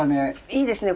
いいですね